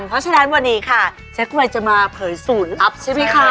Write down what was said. เพราะฉะนั้นวันนี้ค่ะเจ๊กวัยจะมาเผยสูตรลับใช่ไหมคะ